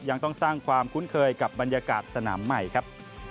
ยังต้องสร้างความคุ้นเคยกับบรรยากาศสนามใหม่ครับ